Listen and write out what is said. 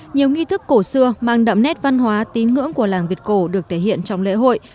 nhiều nghi thức cổ xưa mang đậm nét văn hóa tín ngưỡng của làng việt cổ được thể hiện trong lễ hội